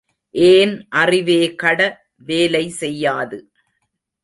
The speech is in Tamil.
ஏன் அறிவேகட வேலை செய்யாது.